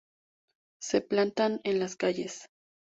Se plantan en las calles.